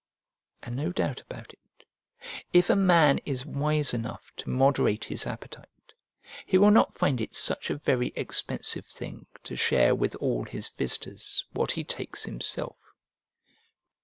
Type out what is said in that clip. And, no doubt about it, if a man is wise enough to moderate his appetite, he will not find it such a very expensive thing to share with all his visitors what he takes himself.